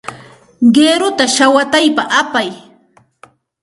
Qiruta shawataypa apay.